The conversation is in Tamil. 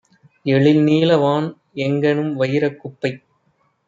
எழில்நீல வான்எங்க ணும்வயிரக் குப்பை!